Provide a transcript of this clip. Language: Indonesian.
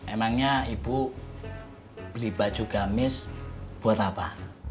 emangnya ibu beli baju gamis buat apa